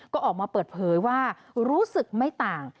ก็ออกมาเปิดเผยว่ารู้สึกไม่ต่าง